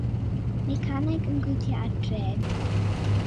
Mecanig yn gweithio ar drên.